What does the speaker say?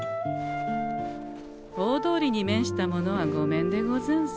大通りに面したものはごめんでござんす。